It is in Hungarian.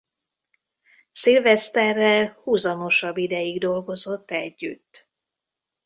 Sylvesterrel huzamosabb ideig dolgozott együtt.